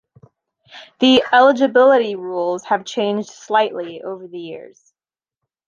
The eligibility rules have changed slightly over the years.